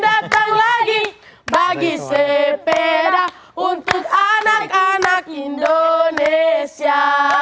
dan datang lagi bagi sepeda untuk anak anak indonesia